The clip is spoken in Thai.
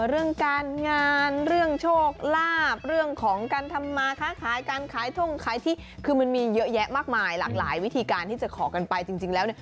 เรื่องการงานเรื่องโชคลาภเรื่องของการทำมาค้าขายการขายท่งขายที่คือมันมีเยอะแยะมากมายหลากหลายวิธีการที่จะขอกันไปจริงแล้วเนี่ย